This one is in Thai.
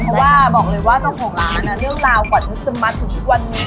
เพราะว่าบอกเลยว่าเจ้าของร้านเรื่องราวก่อนนุ๊กจะมาถึงทุกวันนี้